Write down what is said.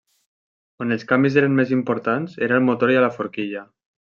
On els canvis eren més importants era al motor i a la forquilla.